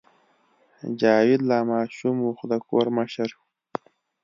جاوید لا ماشوم و خو د کور مشر و